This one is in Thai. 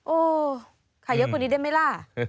โอ้ขายเยอะกว่านี้ได้ไหมล่ะ